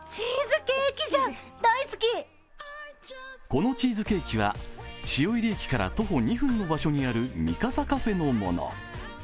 このチーズケーキは汐入駅から徒歩２分の場所にあるミカサカフェのもの。